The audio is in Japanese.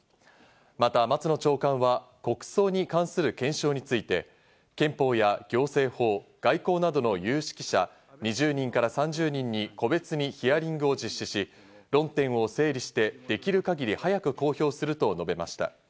また松野長官は国葬に関する検証について、憲法や行政法、外交などの有識者２０人から３０人に個別にヒアリングを実施し、論点を整理して、できる限り早く公表すると述べました。